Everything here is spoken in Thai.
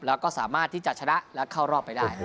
แล้วก็สามารถที่จะชนะและเข้ารอบไปได้